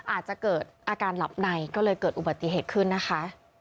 อาจจะเกิดอาการหลับในก็เลยเกิดอุบัติเหตุขึ้นนะคะ